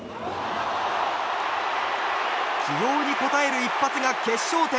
起用に応える一発が決勝点。